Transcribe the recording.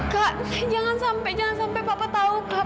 kak jangan sampai papa tahu